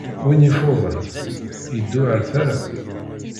Win yeffuden, yeddu ar tala.